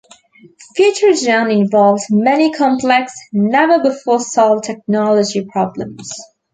FutureGen involved many complex never-before-solved technology problems.